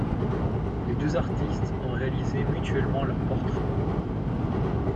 Les deux artistes ont réalisé mutuellement leurs portraits.